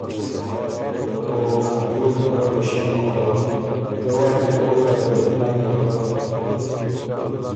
او بیوک ګه په ݭيې مُخه، دۀ وار دې او تردد نک بیوک